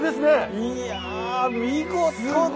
いや見事だ。